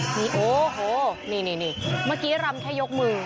นี่โอ้โหนี่เมื่อกี้รำแค่ยกมือ